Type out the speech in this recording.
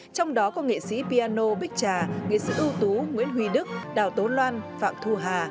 trong đó có nghệ sĩ piano bích trà nghệ sĩ ưu tú nguyễn huy đức đào tố loan phạm thu hà